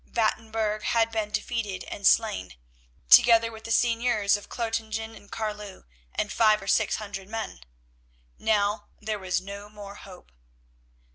Batenburg had been defeated and slain, together with the Seigneurs of Clotingen and Carloo, and five or six hundred men. Now there was no more hope.